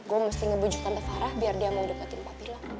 gue mesti ngebujuk tante farah biar dia mau deketin papi lo